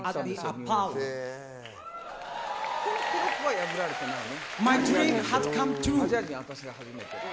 この記録は破られてないね。